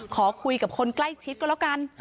ขอคุยกับคนใกล้ชิดก็แล้วกัน